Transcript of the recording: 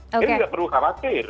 jadi tidak perlu khawatir